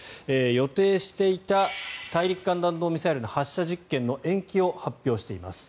予定していた大陸間弾道ミサイルの発射実験の延期を発表しています。